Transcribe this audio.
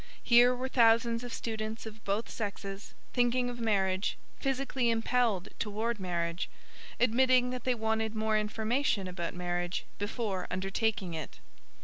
Here were thousands of students of both sexes, thinking of marriage, physically impelled toward marriage, admitting that they wanted more information about marriage before undertaking it.